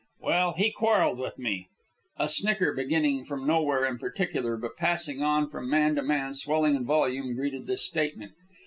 Well, he quarrelled with me " A snicker, beginning from nowhere in particular, but passing on from man to man and swelling in volume, greeted this statement.